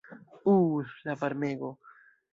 Uh, la varmego!